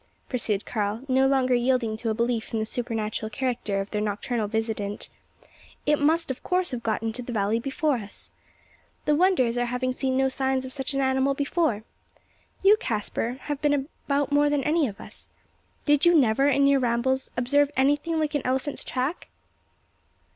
pursued Karl, no longer yielding to a belief in the supernatural character of their nocturnal visitant "it must of course have got into the valley before us. The wonder is our having seen no signs of such an animal before. You, Caspar, have been about more than any of us. Did you never, in your rambles, observe anything like an elephant's track?"